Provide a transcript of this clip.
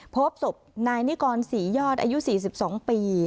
โพฟชบนายนิกรศรียอดอายุสิบสองปี